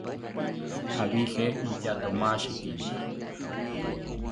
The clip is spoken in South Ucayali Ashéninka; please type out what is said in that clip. Abije intyatomashiki